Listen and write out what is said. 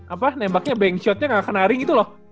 apa nembaknya bank shotnya ga kena ring gitu loh